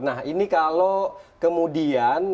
nah ini kalau kemudian